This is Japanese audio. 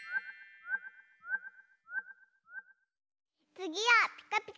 つぎは「ピカピカブ！」だよ。